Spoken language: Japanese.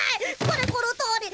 これこのとおり！